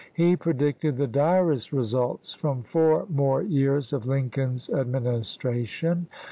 He predicted the direst results from four more years of Lincoln's Administration.